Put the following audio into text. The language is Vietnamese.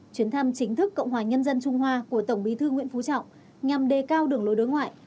chuyến thăm chính thức cộng hòa nhân dân trung hoa của tổng bí thư nguyễn phú trọng nhằm đề cao đường lối đối ngoại